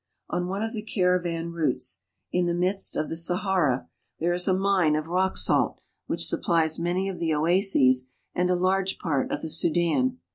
On one of the caravan routes, in the midst of 1 88 AFRICA the Sahara, there is a mine of rock salt which supplies many of the oases and a large part of the Sudan.